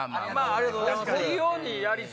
ありがとうございます。